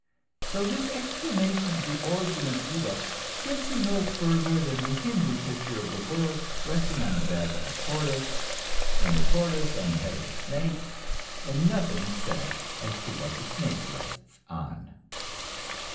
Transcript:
So this explanation of the origin of evil gets you no further than the Hindoo picture of the world resting on the back of a tortoise, and the tortoise on the head of a snake and nothing said as to what the snake rests on.